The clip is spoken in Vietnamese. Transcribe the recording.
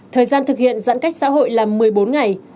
thời gian thực hiện giãn cách xã hội là một mươi bốn ngày